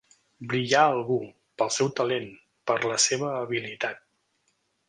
Brillar algú, pel seu talent, per la seva habilitat.